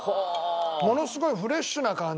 ものすごいフレッシュな感じ。